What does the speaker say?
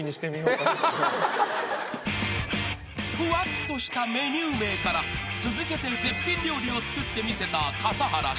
［ふわっとしたメニュー名から続けて絶品料理を作ってみせた笠原シェフ］